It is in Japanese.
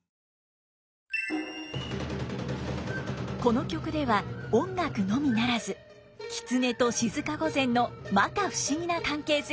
この曲では音楽のみならず狐と静御前のまか不思議な関係性も注目です。